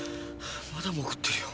まだ潜ってるよ。